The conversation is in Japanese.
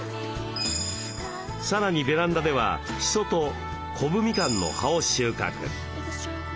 さらにベランダではシソとコブミカンの葉を収穫。